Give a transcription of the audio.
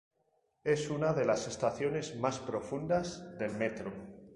Es una de las estaciones más profundas del Metro.